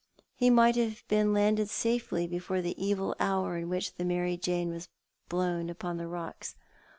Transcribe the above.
lie might have been landed safely before the evil hour in which the Martj Jane was blown upon the rocks.